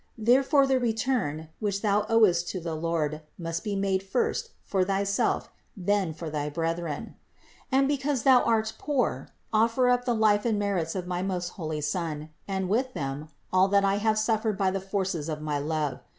Therefore the return, which thou owest to the Lord, must be made first for thyself and then for thy brethren. And because thou art poor, offer up the life and merits of my most holy Son, and with them, all that I have suffered by the forces of my love.